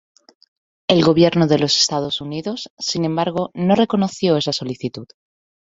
El Gobierno de los Estados Unidos, sin embargo, no reconoció esa solicitud.